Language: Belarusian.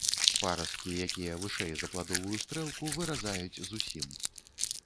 Парасткі, якія вышэй за пладовую стрэлку, выразаюць зусім.